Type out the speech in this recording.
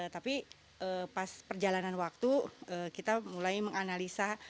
tapi pas perjalanan waktu kita mulai menganalisa